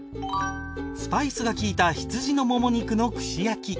スパイスが効いた羊のモモ肉の串焼き